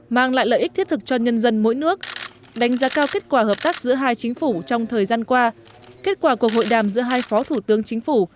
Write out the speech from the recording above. mang lại lợi ích thiết thực cho nhân dân mỗi nước đánh giá cao kết quả hợp tác giữa hai chính phủ trong thời gian qua kết quả của hội đàm giữa hai phó thủ tướng chính phủ